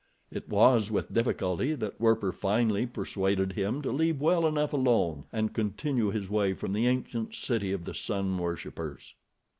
It was with difficulty that Werper finally persuaded him to leave well enough alone and continue his way from the ancient city of the Sun Worshipers.